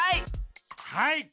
はい！